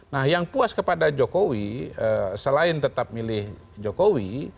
nah yang puas kepada jokowi selain tetap milih jokowi